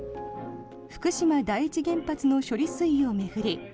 福島第一原発の処理水を巡り